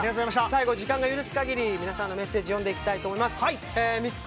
最後、時間の許す限り皆さんのメッセージ読んでいきたいと思います。